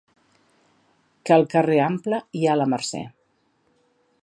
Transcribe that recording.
Que al carrer Ample hi ha la Mercè.